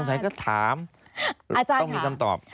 สงสัยก็ถามต้องมีคำตอบ